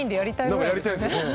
なんかやりたいですね。